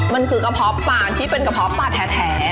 มันคือกระเพาะปางที่เป็นกระเพาะปลาแท้